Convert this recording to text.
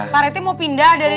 parete mau pindah dari